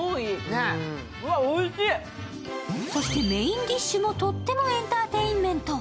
そしてメインディッシュもとってもエンターテインメント。